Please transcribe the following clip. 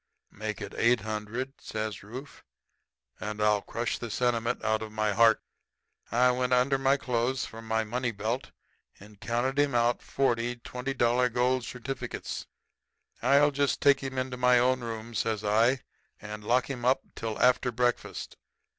"'Make it eight hundred,' says Rufe, 'and I'll crush the sentiment out of my heart.' "I went under my clothes for my money belt, and counted him out forty twenty dollar gold certificates. "'I'll just take him into my own room,' says I, 'and lock him up till after breakfast.'